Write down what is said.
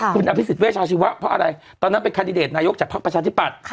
คุณอภิษฎเวชาชีวะเพราะอะไรตอนนั้นเป็นคันดิเดตนายกจากพักประชาธิปัตย์